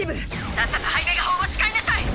さっさとハイメガ砲を使いなさい！